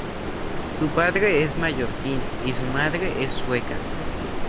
Su padre es mallorquín y su madre es sueca.